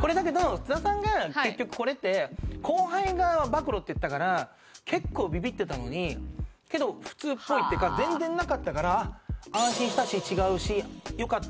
これだけど津田さんが結局これって後輩が暴露って言ったから結構ビビってたのにけど普通っぽいっていうか全然なかったから安心したし違うしよかったなと思ってるかも。